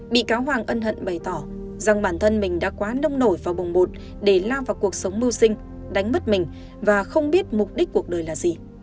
bị cáo hoàng ân hận bày tỏ rằng bản thân mình đã quá nông nổi và bùng bột để lao vào cuộc sống mưu sinh đánh mất mình và không biết mục đích cuộc đời là gì